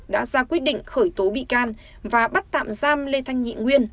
đã ra quyết định khởi tố bị can và bắt tạm giam lê thanh nhị nguyên